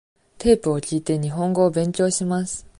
テープを聞いて、日本語を勉強します。